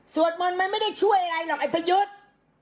มนต์มันไม่ได้ช่วยอะไรหรอกไอ้พยุทธ์